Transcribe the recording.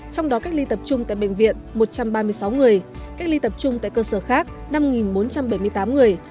trong đó cách ly tập trung tại bệnh viện một trăm ba mươi sáu người cách ly tập trung tại cơ sở khác năm bốn trăm bảy mươi tám người